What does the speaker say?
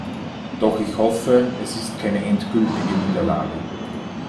Doch ich hoffe, es ist keine endgültige Niederlage.